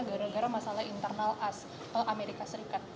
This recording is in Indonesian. gara gara masalah internal as amerika serikat